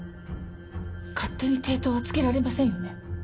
勝手に抵当は付けられませんよね？